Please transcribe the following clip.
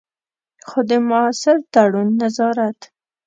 خو د مؤثر تړون، نظارت.